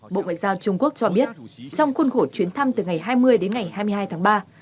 bộ ngoại giao trung quốc cho biết trong khuôn khổ chuyến thăm từ ngày hai mươi đến ngày hai mươi hai tháng ba